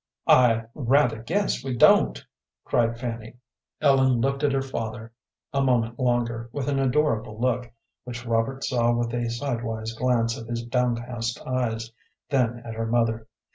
"I rather guess we don't," cried Fanny. Ellen looked at her father a moment longer with an adorable look, which Robert saw with a sidewise glance of his downcast eyes, then at her mother.